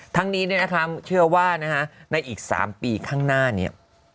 ทั้งนี้เชื่อว่าในอีก๓ปีข้างหน้าเนี่ย